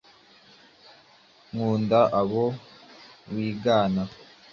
Ukunda abo mwigana?